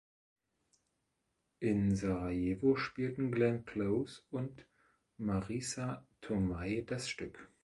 In Sarajevo spielten Glenn Close und Marisa Tomei das Stück.